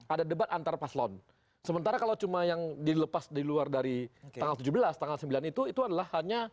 ada debat antar paslon sementara kalau cuma yang dilepas di luar dari tanggal tujuh belas tanggal sembilan itu itu adalah hanya